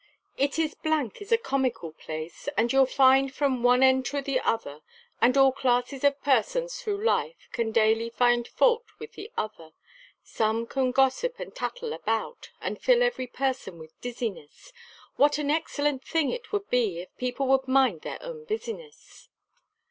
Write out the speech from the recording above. It is is a comical place, And you'll find from one end to the other, And all classes of persons through life, Can daily find fault with the other. Some can gossip and tattle about, And fill every person with dizziness, What an excellent thing it would be, If people would mind their own business.